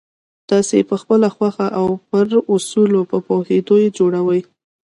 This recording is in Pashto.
تاسې یې پخپله خوښه او پر اصولو په پوهېدو جوړوئ